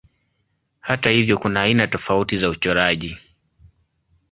Hata hivyo kuna aina tofauti za uchoraji.